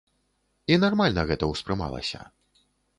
І нармальна гэта ўспрымалася.